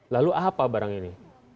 lalu apa barang ini